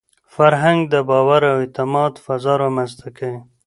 فرهنګ د باور او اعتماد فضا رامنځته کوي.